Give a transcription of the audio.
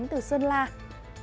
những cái nhíu mày lắc đầu